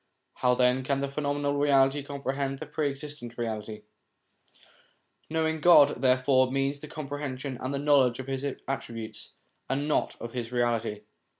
How then can the phenomenal reality comprehend the Pre existent Reality ? Knowing God, therefore, means the compre hension and the knowledge of His attributes, and not of His Reality.